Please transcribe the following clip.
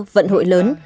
vận hội lớn